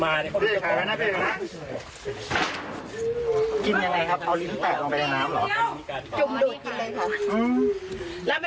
ไม่มีเหลือล่ะเพราะพวกเรากินทุกวันนี้อ๋อ